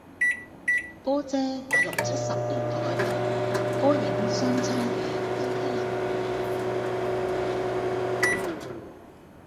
波姐乃六七拾年代歌影雙棲嘅女藝人